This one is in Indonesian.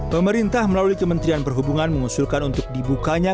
pemerintah melalui kementerian perhubungan mengusulkan untuk dibukanya